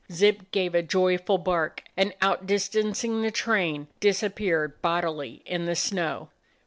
Zip gave a joy ful bark, and, outdistancing the train, dis appeared bodily in the snow.